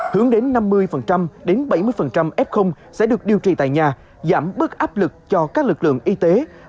hướng đến năm mươi đến bảy mươi f sẽ được điều trị tại nhà giảm bớt áp lực cho các lực lượng y tế